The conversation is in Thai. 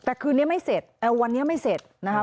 แต่คืนนี้ไม่เสร็จวันนี้ไม่เสร็จนะครับ